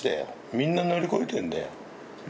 みんな乗り越えてるんだよ。